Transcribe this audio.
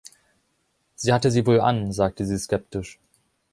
„Sie hatte sie wohl an“, sagte sie skeptisch.